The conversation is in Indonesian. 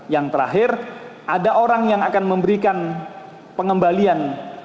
yang terakhir ada orang yang akan memberikan pengembalian